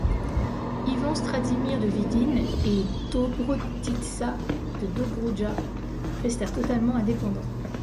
Ivan Stratsimir de Vidin et Dobrotitsa de Dobroudja restèrent totalement indépendants.